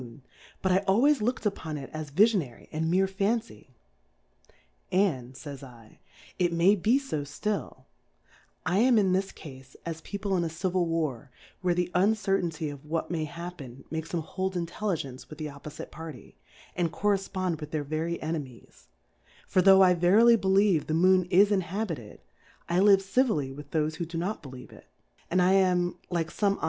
^^ but I always lookM upon it as Viiionary and meer Fancy. And, fay^. /, it may be fo ftill '^ I am in this Cafe, as People in a Civil War, where the uncertainty of of what may happen, makes 'em hold Inrtlligence with the oppofite Party, and correipond with their very Enemies ; for tlio' I verily believe the xViocm is In habiced, I live civilly with thofe who do not believe it j and I am \^like fome honeit Plurality ^/WORLDS.